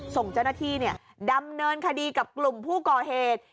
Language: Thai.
ส่งเจ้าหน้าที่ดำเนินคดีกับกลุ่มผู้ก่อเหตุ